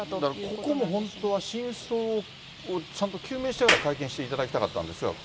ここも本当は真相をちゃんと究明してから会見していただきたかったんですが。